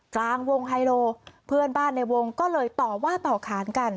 กลางวงไฮโลเพื่อนบ้านในวงก็เลยต่อว่าต่อขานกัน